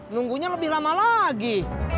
nunggunya lebih lama lagi